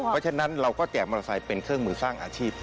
เพราะฉะนั้นเราก็แจกมอเตอร์ไซค์เป็นเครื่องมือสร้างอาชีพ